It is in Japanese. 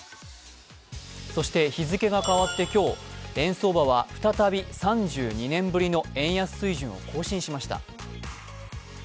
そして日付が変わって今日円相場は再び３２年ぶりの円安水準を更新しました。